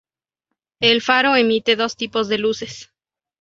El faro emite dos tipos de luces.